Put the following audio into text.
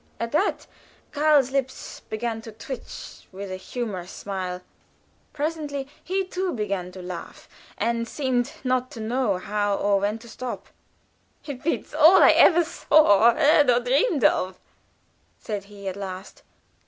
At that Karl's lips began to twitch with a humorous smile; presently he too began to laugh, and seemed not to know how or when to stop. "It beats all I ever saw or heard or dreamed of," said he, at last.